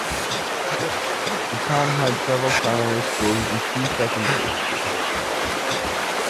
The town has several primary schools and two secondary schools.